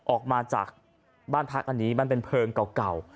ออกมาจากบ้านพักอันนี้มันเป็นเพลิงเก่า